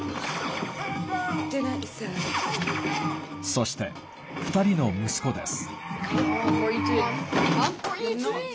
そして、２人の息子です。